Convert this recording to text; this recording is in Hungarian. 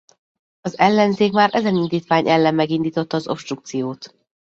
Az ellenzék már ezen indítvány ellen megindította az obstrukciót.